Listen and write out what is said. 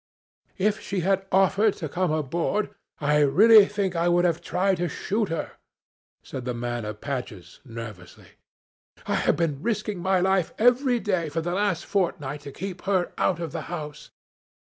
"'If she had offered to come aboard I really think I would have tried to shoot her,' said the man of patches, nervously. 'I had been risking my life every day for the last fortnight to keep her out of the house.